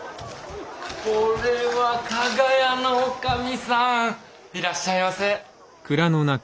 これは加賀屋の女将さんいらっしゃいませ。